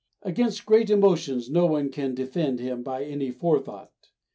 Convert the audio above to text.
Against great emotions no one can defend him by any forethought.